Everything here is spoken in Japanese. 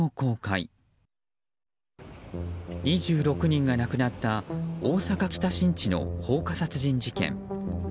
２６人が亡くなった大阪・北新地の放火殺人事件。